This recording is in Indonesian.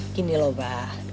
gini loh mbah